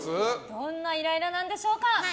どんなイライラなんでしょうか。